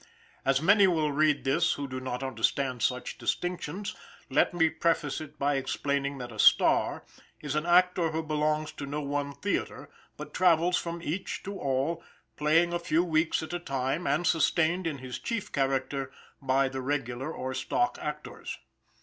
As many will read this who do not understand such distinctions, let me preface it by explaining that a "star" is an actor who belongs to no one theater, but travels from each to all, playing a few weeks at a time, and sustained in his chief character by the regular or stock actors.